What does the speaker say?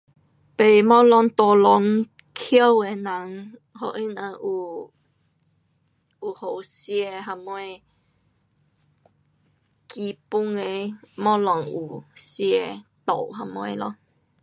买东西 tolong 穷的人，给他人有，有好吃什么，基本的东西有吃，住什么咯。